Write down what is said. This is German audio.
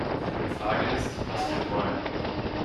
Die Frage ist, was wir wollen.